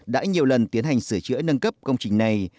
đã nhiều lần tiến hành sửa chữa nâng cấp công trình này